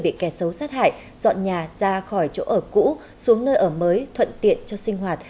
bị kẻ xấu sát hại dọn nhà ra khỏi chỗ ở cũ xuống nơi ở mới thuận tiện cho sinh hoạt